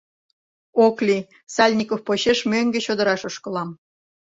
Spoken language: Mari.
Ок лий, Сальников почеш мӧҥгӧ чодыраш ошкылам.